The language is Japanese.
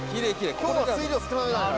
今日は水量少なめだから。